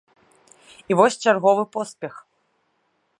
І вось чарговы поспех!